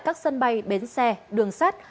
các sân bay bến xe đường sắt